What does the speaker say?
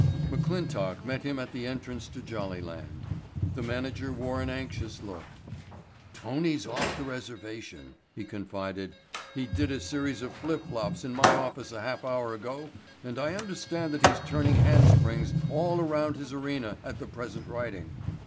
McClintock met him at the entrance to Jollyland. The manager wore an anxious look. "Tony's off the reservation," he confided. "He did a series of flip flops in my office a half hour ago and I understand that he's turning handsprings all around his arena at the present writing.